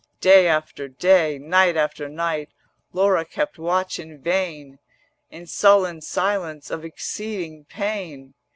Day after day, night after night, Laura kept watch in vain 270 In sullen silence of exceeding pain.